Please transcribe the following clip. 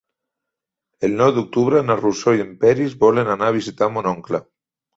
El nou d'octubre na Rosó i en Peris volen anar a visitar mon oncle.